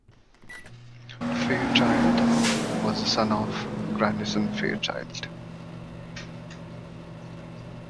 Fairchild was the son of Grandison Fairchild.